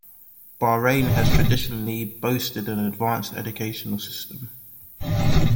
Bahrain has traditionally boasted an advanced educational system.